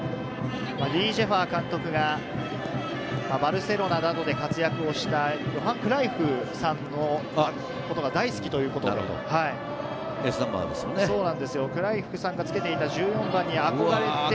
李済華監督がバルセロナなどで活躍をしたヨハン・クライフさんのことが大好きということで、クライフさんがつけていた１４番に憧れて。